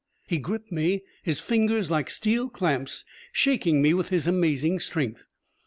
He gripped me, his fingers like steel clamps, shaking me with his amazing strength.